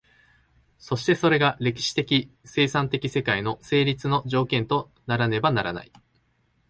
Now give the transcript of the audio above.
そしてそれが歴史的生産的世界の成立の条件とならねばならない。